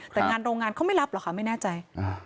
แต่งานโรงงานเขาไม่รับเหรอคะไม่แน่ใจ